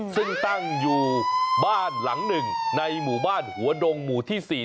ซึ่งตั้งอยู่บ้านหลังหนึ่งในหมู่บ้านหัวดงหมู่ที่๔